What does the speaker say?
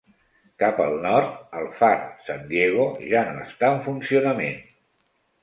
Cap al nord, el far San Diego ja no està en funcionament.